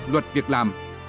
luật việc làm